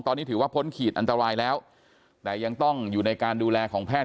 ตอนนี้ถือว่าพ้นขีดอันตรายแล้วแต่ยังต้องอยู่ในการดูแลของแพทย์